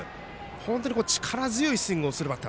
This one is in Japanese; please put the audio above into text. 本当に力強いスイングをする選手。